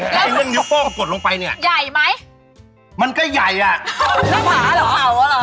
ใช้เรื่องนิ้วโป้งกดลงไปเนี่ยใหญ่ไหม